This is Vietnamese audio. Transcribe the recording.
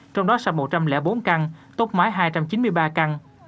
trong đó sạch một trăm linh bốn căn tốc mái hai trăm chín mươi ba căn